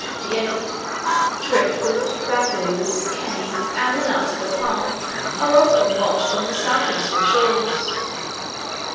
58) drift wood, bamboos, canes, and the nuts of a palm, are often washed on the south eastern shores.